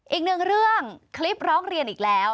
อีกหนึ่งเรื่องคลิปร้องเรียนอีกแล้ว